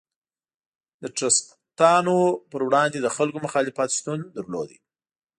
د ټرستانو پر وړاندې د خلکو مخالفت شتون درلود.